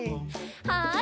はい。